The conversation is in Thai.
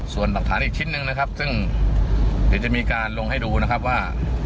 ส่วนหลักฐานอีกชิ้นหนึ่งนะครับซึ่งเดี๋ยวจะมีการลงให้ดูนะครับว่า